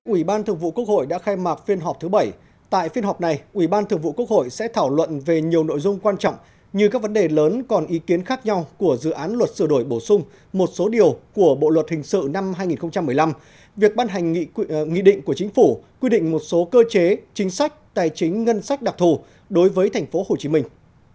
ủy ban thường vụ quốc hội đã khai mạc phiên họp thứ bảy tại phiên họp này ủy ban thường vụ quốc hội sẽ thảo luận về nhiều nội dung quan trọng như các vấn đề lớn còn ý kiến khác nhau của dự án luật sửa đổi bổ sung một số điều của bộ luật hình sự năm hai nghìn một mươi năm việc ban hành nghị định của chính phủ quy định một số cơ chế chính sách tài chính ngân sách đặc thù đối với thành phố hồ chí minh